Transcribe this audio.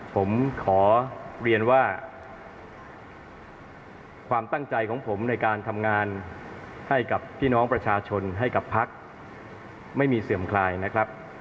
ผมขอเรียนว่าความตั้งใจของผมในการทำงานให้กับพี่น้องประชาชนให้กับพักไม่มีเสื่อมคลายนะครับ